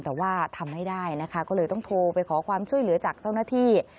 แต่ว่าทำไม่ได้นะคะก็เลยต้องโทรไปขอความช่วยเหลือจากเจ้าหน้าที่